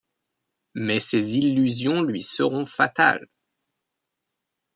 Mais ses illusions lui seront fatales.